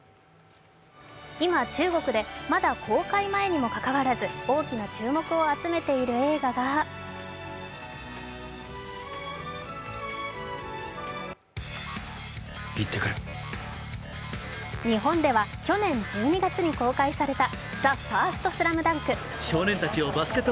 今、中国でまだ公開前にもかかわらず大きな注目を集めている映画が日本では去年１２月に公開された「ＴＨＥＦＩＲＳＴＳＬＡＭＤＵＮＫ」。